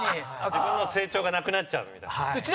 自分の成長がなくなっちゃうみたいな。